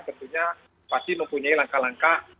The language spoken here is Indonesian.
tentunya pasti mempunyai langkah langkah